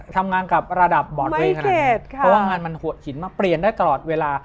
ทำงานกับระดับบอร์ดตัวเองขนาดนี้เพราะว่างานมันหัวหินมาเปลี่ยนได้ตลอดเวลา